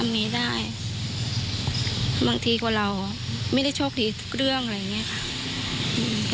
ทำเงี้ยได้บางทีความเราไม่ได้โชคดีทุกเรื่องแบบนี้ค่ะ